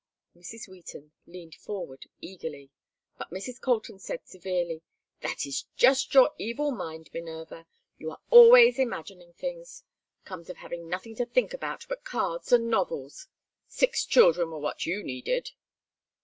Mrs. Wheaton leaned forward eagerly, but Mrs. Colton said, severely: "That is just your evil mind, Minerva. You are always imagining things; comes of having nothing to think about but cards and novels six children were what you needed."